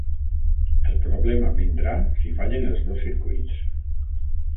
El problema vindrà si fallen els dos circuits.